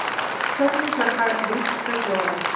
Suddenly her heart leaped for joy.